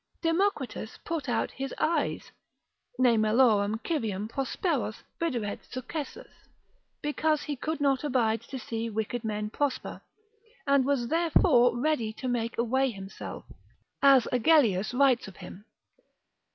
Democritus put out his eyes, ne malorum civium prosperos videret successus, because he could not abide to see wicked men prosper, and was therefore ready to make away himself, as Agellius writes of him.